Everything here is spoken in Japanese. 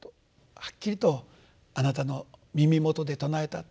はっきりとあなたの耳元で唱えたと。